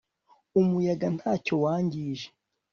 umuyaga ntacyo wangije